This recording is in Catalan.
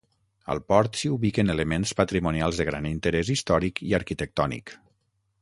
Al port, s'hi ubiquen elements patrimonials de gran interès històric i arquitectònic.